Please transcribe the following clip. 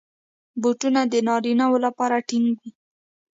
بوټونه د نارینه وو لپاره ټینګ وي.